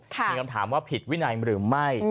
มีคำถามว่าผิดวินัยหรือไม่